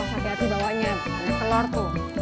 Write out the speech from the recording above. makasih ya pak